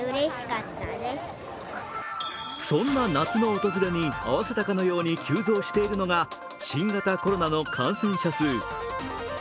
そんな夏の訪れに合わせたかのように急増しているのが新型コロナの感染者数。